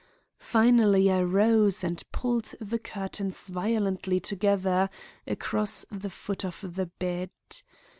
Finally I rose and pulled the curtains violently together across the foot of the bed.